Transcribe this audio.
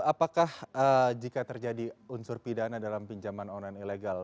apakah jika terjadi unsur pidana dalam pinjaman online ilegal